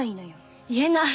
言えない。